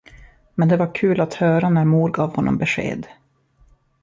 Men det var kul att höra när mor gav honom besked.